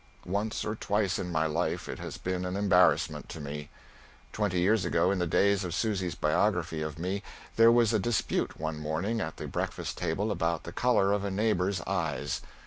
Once or twice in my life it has been an embarrassment to me. Twenty years ago, in the days of Susy's Biography of Me, there was a dispute one morning at the breakfast table about the color of a neighbor's eyes.